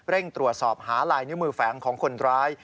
ตรวจสอบหาลายนิ้วมือแฝงของคนร้าย